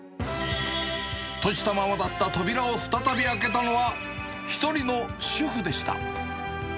閉じたままだった扉を再び開けたのは、一人の主婦でした。